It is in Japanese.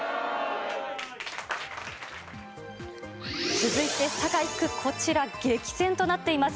続いて、佐賀１区、こちら激戦となっています。